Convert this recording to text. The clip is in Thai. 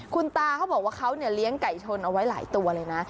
คุณตาเขาบอกว่าเขาเลี้ยงไก่ชนเอาไว้หลายตัวเลยนะ